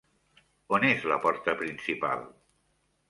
On és la porta principal?